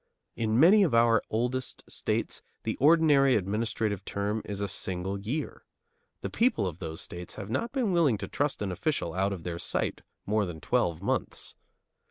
In many of our oldest states the ordinary administrative term is a single year. The people of those states have not been willing to trust an official out of their sight more than twelve months.